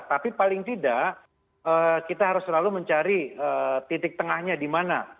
tapi paling tidak kita harus selalu mencari titik tengahnya di mana